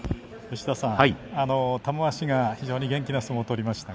玉鷲が元気な相撲を取りました。